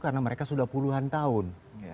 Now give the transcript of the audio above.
karena mereka sudah puluhan tahun